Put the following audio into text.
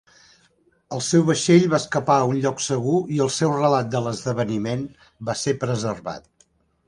El seu vaixell va escapar a un lloc segur i el seu relat de l'esdeveniment va ser preservat.